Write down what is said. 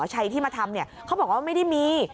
ชัยที่มาทำเนี่ยเขาบอกว่าไม่ได้มี